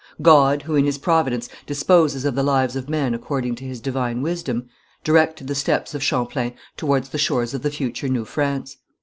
God, who in His providence disposes of the lives of men according to His divine wisdom, directed the steps of Champlain towards the shores of the future New France.